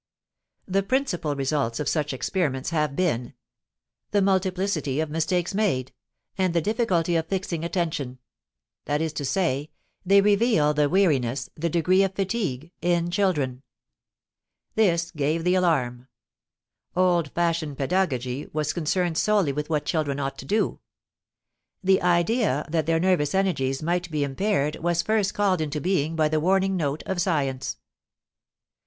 The principal results of such experiments have been: the multiplicity of mistakes made, and the difficulty of fixing attention; that is to say, they reveal the weariness, the degree of fatigue, in children. This gave the alarm! Old fashioned pedagogy was concerned solely with what children ought to do. The idea that their nervous energies might be impaired was first called into being by the warning note of science.